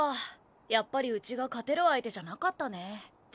やっぱりうちが勝てる相手じゃなかったね。